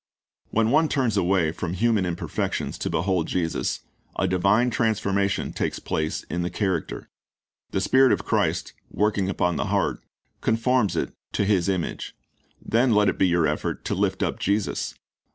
When one turns away from human imperfections to behold Jesus, a divine transformation takes place in the character. The Spirit of Christ, working upon the heart, conforms it to His image. Then let it be your effort to lift up Jesus.